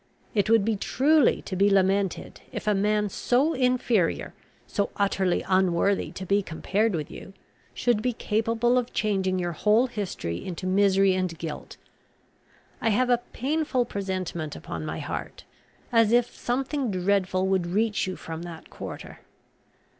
It would be truly to be lamented, if a man so inferior, so utterly unworthy to be compared with you, should be capable of changing your whole history into misery and guilt. I have a painful presentiment upon my heart, as if something dreadful would reach you from that quarter.